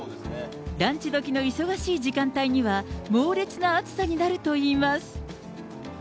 ランチどきの忙しい時間帯には、猛烈な暑さになるといいます。